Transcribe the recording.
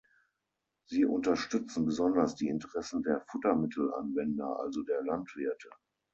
Sie unterstützen besonders die Interessen der Futtermittelanwender, also der Landwirte.